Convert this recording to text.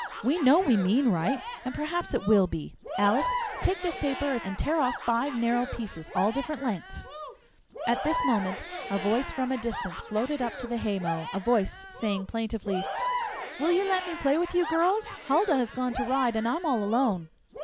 We know we mean right, and perhaps it will be. Alice, take this paper and tear off five narrow pieces, all different lengths." At this moment a voice from a distance floated up to the haymow a voice saying plaintively: "Will you let me play with you, girls? Huldah has gone to ride, and I'm all alone."